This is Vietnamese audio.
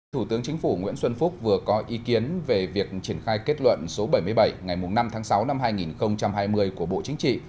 thủ tướng chính phủ nguyễn xuân phúc vừa có ý kiến về việc triển khai kết luận số bảy mươi bảy ngày năm tháng sáu năm hai nghìn hai mươi của bộ chính trị